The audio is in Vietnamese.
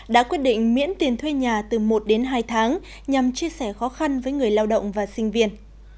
đã quyết định miễn tiền thuê nhà từ một đến hai tháng nhằm chia sẻ khó khăn với người lao động và sinh viên